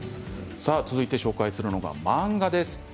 続いて紹介するのは漫画です。